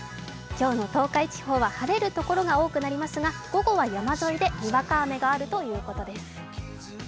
今日の東海地方は晴れるところが多くなりますが午後は山沿いでにわか雨があるということです。